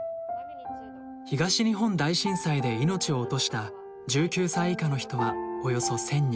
東日本大震災で命を落とした１９歳以下の人はおよそ１，０００人。